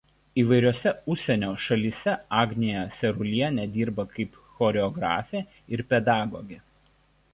Įvairiose užsienio šalyse Agnija Sarulienė dirba kaip choreografė ir pedagogė.